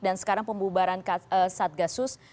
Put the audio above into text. dan sekarang pembubaran satgasus